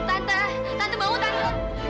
tante bangun tante